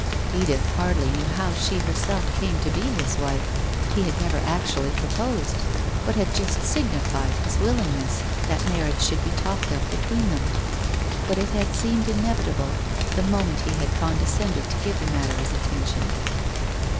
Edith hardly knew how she herself came to be his wife, he had never actually proposed, but had just signified his willing ness that marriage should be talked of between them. But it had seemed inevitable, the moment he had condescended to give the matter his attention.